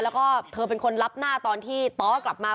แล้วก็เธอเป็นคนรับหน้าตอนที่ต้อกลับมา